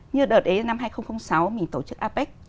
như đợt ấy năm hai nghìn sáu mình tổ chức apec